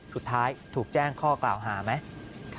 สุดท้ายถูกแจ้งข้อกล่าวหาไหม